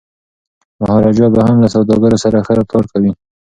مهاراجا به هم له سوداګرو سره ښه رفتار کوي.